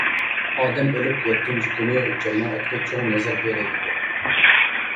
ئادەم ئۆلۈپ يەتتىنچى كۈنى جامائەتكە چوڭ نەزىر بېرىلىدۇ.